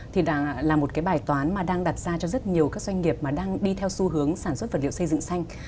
thì là một cái bài toán mà đang đặt ra cho rất nhiều các doanh nghiệp mà đang đi theo xu hướng sản xuất vật liệu xây dựng xanh